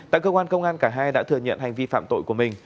tại cơ quan công an cả hai đã thừa nhận hành vi phạm tội của mình